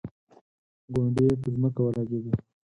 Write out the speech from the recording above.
ګونډې یې په ځمکه ولګېدې.